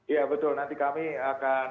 iya betul nanti kami akan